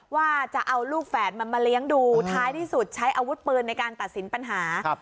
ว่าจะเอาลูกแฝดมันมาเลี้ยงดูท้ายที่สุดใช้อาวุธปืนในการตัดสินปัญหา